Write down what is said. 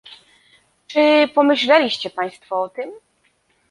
Czy pomyśleliście Państwo o tym?